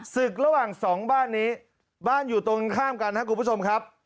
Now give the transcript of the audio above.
ศึกระหว่างสองบ้านนี้บ้านอยู่ตรงข้ามกันครับคุณผู้ชมครับ